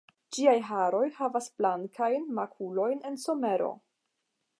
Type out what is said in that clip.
Ĝiaj haroj havas blankajn makulojn en somero.